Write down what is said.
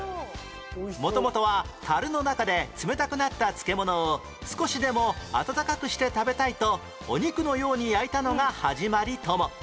元々はたるの中で冷たくなった漬物を少しでも温かくして食べたいとお肉のように焼いたのが始まりとも